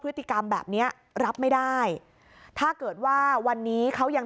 พฤติกรรมแบบเนี้ยรับไม่ได้ถ้าเกิดว่าวันนี้เขายัง